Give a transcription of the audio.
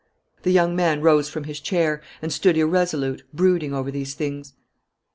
The young man rose from his chair, and stood irresolute, brooding over these things.